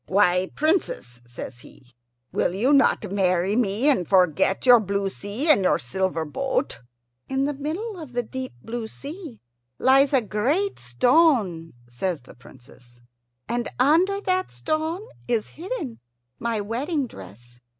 "Why, Princess," says he, "will you not marry me, and forget your blue sea and your silver boat?" "In the middle of the deep blue sea lies a great stone," says the Princess, "and under that stone is hidden my wedding dress.